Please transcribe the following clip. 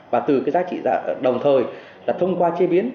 và từ cái giá trị ra đồng thời là thông qua chế biến